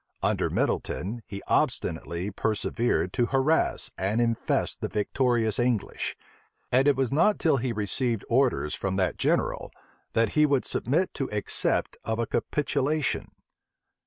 Under Middleton, he obstinately persevered to harass and infest the victorious English; and it was not till he received orders from that general, that he would submit to accept of a capitulation.